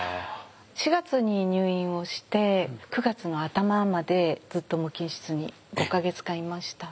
４月に入院をして９月の頭までずっと無菌室に５か月間いました。